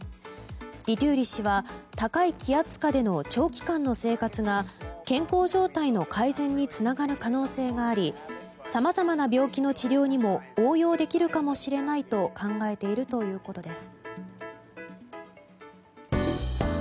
ディトゥーリ氏は高い気圧下での長期間の生活が健康状態の改善につながる可能性がありさまざまな病気の治療にも応用できるかもしれないと考えているということです。